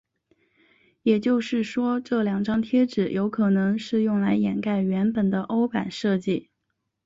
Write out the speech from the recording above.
也就是说这两张贴纸有可能是用来掩盖原本的欧版设计。